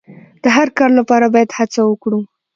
د هر کار لپاره باید هڅه وکړو.